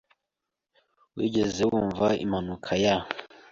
Wigeze wumva impanuka ya ?